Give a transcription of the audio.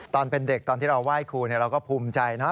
ตอนเป็นเด็กตอนที่เราไหว้ครูเราก็ภูมิใจนะ